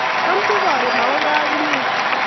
Amche karun awan kaa ak inye